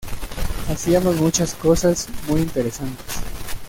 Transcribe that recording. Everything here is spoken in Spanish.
Hacíamos muchas cosas muy interesantes.